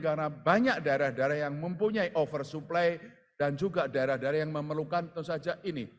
karena banyak daerah daerah yang mempunyai oversupply dan juga daerah daerah yang memerlukan itu saja ini